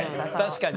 確かに。